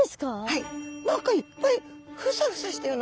はい。